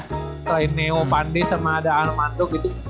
selain neo pandes sama ada anamando gitu